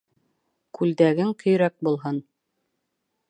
Күлдәгең көйрәк булһын